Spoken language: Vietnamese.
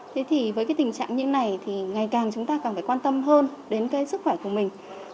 thế thì với tình trạng như này thì ngày càng chúng ta cần phải quan tâm hơn đến sức khỏe của mình